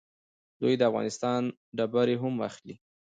دوی د افغانستان ډبرې هم اخلي.